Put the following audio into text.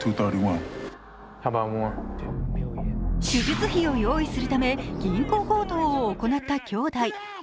手術費を用意するため銀行強盗を行った兄弟。